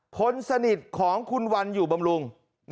คนสนิทของคุณวันอยู่บำรุง